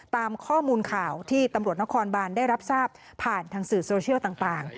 ตามข้อมูลข่าวที่ตำรวจนครบานได้รับทราบผ่านทางสื่อโซเชียลต่าง